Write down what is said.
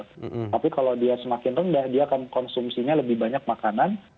tapi kalau dia semakin rendah dia akan konsumsinya lebih banyak makanan